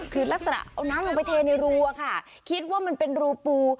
คือลักษณะเอาน้ำลงไปเทในรูอะค่ะคิดว่ามันเป็นรูปู